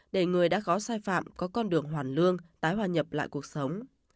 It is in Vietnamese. để người đã gó sai phạm có con đường hoàn lương tái hoàn nhập lại cuộc sống